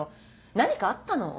何かあったの？